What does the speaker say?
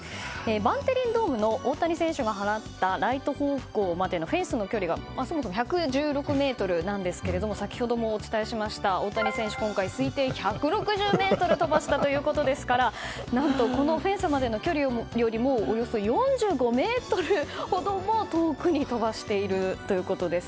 バンテリンドームの大谷選手が放ったライト方向までのフェンスの距離がそもそも１１６ｍなんですが先ほどもお伝えしました大谷選手は今回、推定１６０ｍ飛ばしたということですから何とフェンスまでの距離よりもおよそ４５ｍほども遠くに飛ばしているということです。